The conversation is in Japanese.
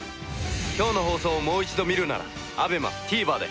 今日の放送をもう一度見るならＡＢＥＭＡＴＶｅｒで。